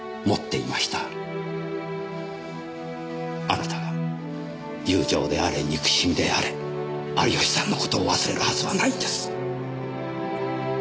あなたが友情であれ憎しみであれ有吉さんのことを忘れるはずはないんです！